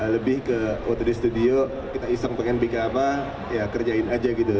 lebih ke auto di studio kita iseng pengen bikin apa ya kerjain aja gitu